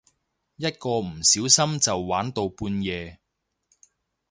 一個唔小心就玩到半夜